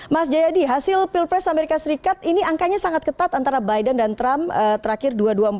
mas jayadi hasil pilpres amerika serikat ini angkanya sangat ketat antara biden dan trump terakhir dua ribu dua puluh empat dua ribu tiga belas